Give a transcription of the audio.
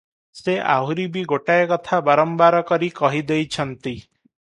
ସେ ଆହୁରି ବି ଗୋଟାଏ କଥା ବାରମ୍ବାର କରି କହି ଦେଇଛନ୍ତି ।